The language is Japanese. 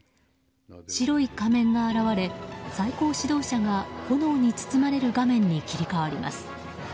白い仮面が現れ最高指導者が炎に包まれる画面に切り替わります。